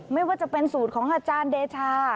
ไม่ว่าจะเป็นสูตรของอาจารย์เดชา